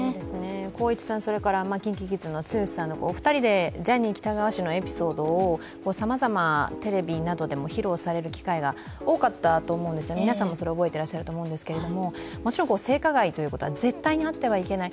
光一さん、ＫｉｎＫｉＫｉｄｓの剛さん、お二人でジャニー喜多川氏のエピソードをさまざまテレビなどでも披露される機会が多かったと思うんですね、皆さんもそれを覚えていらっしゃると思うんですけれども、もちろん性加害ということは絶対にあってはいけない。